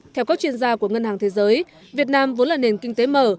theo các chuyên gia của ngân hàng thế giới việt nam vốn là nền kinh tế mở